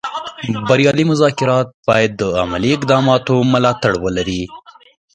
بریالي مذاکرات باید د عملي اقداماتو ملاتړ ولري